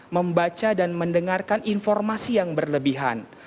membaca dan mendengarkan informasi yang berlebihan